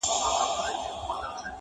تر بام لاندي یې مخلوق تر نظر تېر کړ -